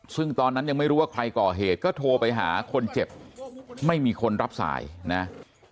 ซึ่งตอนนั้นยังไม่รู้ว่าใครก่อเหตุก็โทรไปหาคนเจ็บไม่มีคนรับสายนะ